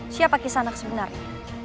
siapa kisah anak sebenarnya